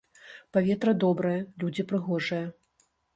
Паветра добрае, людзі прыгожыя.